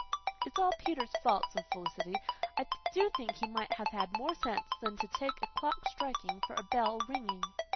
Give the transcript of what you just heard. "It's all Peter's fault," said Felicity. "I do think he might have had more sense than to take a clock striking for a bell ringing."